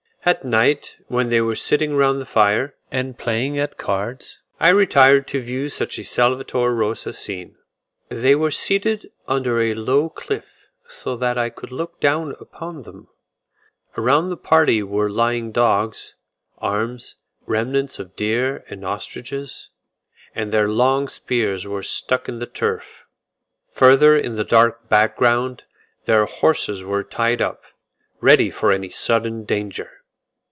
At night, when they were sitting round the fire, and playing at cards, I retired to view such a Salvator Rosa scene. They were seated under a low cliff, so that I could look down upon them; around the party were lying dogs, arms, remnants of deer and ostriches; and their long spears were stuck in the turf. Further in the dark background, their horses were tied up, ready for any sudden danger.